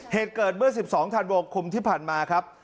เหตุเกิดเมื่อ๑๒ธันวาคมที่ผ่านมาครับ